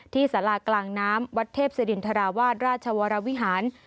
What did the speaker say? สารากลางน้ำวัดเทพศิรินทราวาสราชวรวิหาร